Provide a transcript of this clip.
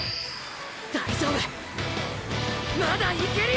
大丈夫まだいけるよ！！